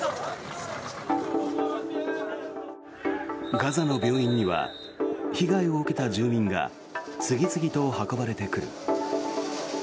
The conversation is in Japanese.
ガザの病院には被害を受けた住民が次々と運ばれてくる。